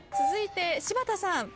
続いて柴田さん。